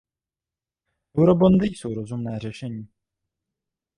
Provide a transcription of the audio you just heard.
Eurobondy jsou rozumné řešení.